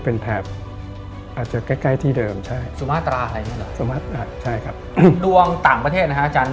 เป็นอย่างไรมั้ยครับต่างประเทศ